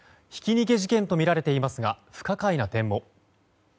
ひき逃げ事件とみられていますが不可解な点も。